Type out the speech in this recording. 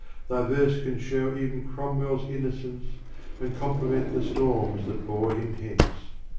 Thy Verse can show ev'n Cromwell's innocence, And Compliment the Storms that bore him hence.